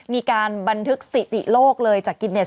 มีการบันทึกสถิติโลกเลย